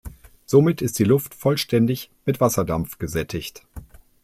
Somit ist die Luft vollständig mit Wasserdampf gesättigt.